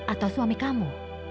atau suami kamu